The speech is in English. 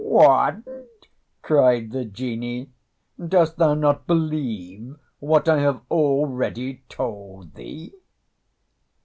"What?" cried the Genie, "dost thou not believe what I have already told thee?"